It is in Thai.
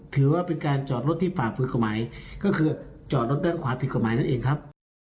ถือว่าเป็นการจอรถที่ฝ่าฟื้นกลมัยก็คือจอรถด้านขวาฟื้นกลมัยนั่นเองครับ